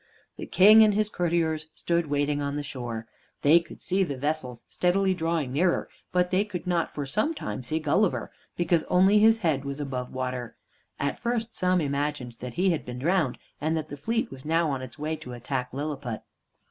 The King and his courtiers stood waiting on the shore. They could see the vessels steadily drawing nearer, but they could not for some time see Gulliver, because only his head was above water. At first some imagined that he had been drowned, and that the fleet was now on its way to attack Lilliput.